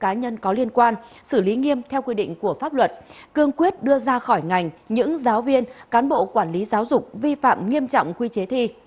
các cá nhân có liên quan xử lý nghiêm theo quy định của pháp luật cương quyết đưa ra khỏi ngành những giáo viên cán bộ quản lý giáo dục vi phạm nghiêm trọng quy chế thi